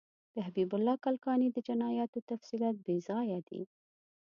د حبیب الله کلکاني د جنایاتو تفصیلات بیځایه دي.